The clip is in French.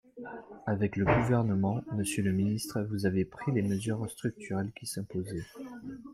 Avec le Gouvernement, monsieur le ministre, vous avez pris les mesures structurelles qui s’imposaient.